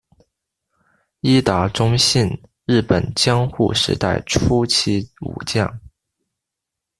伊达宗信日本江户时代初期武将。